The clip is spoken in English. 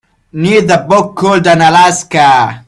Need the book called ANAlaska